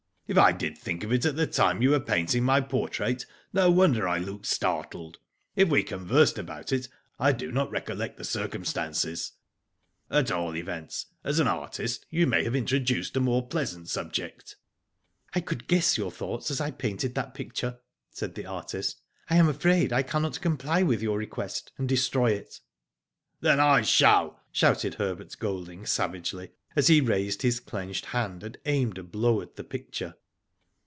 If I did think of it at the time you were painting my portrait, no wonder I looked startled. If we con Digitized byGoogk FACE TO FACE. 239 versed about it I do not recollect the circumstances. At all events, as an artist you might have intro duced a more pleasant subject." I could guess your thoughts as I painted that picture," said the artist. " I am afraid I cannot comply with your request, and destroy it." Then I shall," shouted Herbert Golding, savagely, as he raised his clenched hand and aimed a blow at the picture.